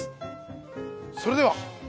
それでは。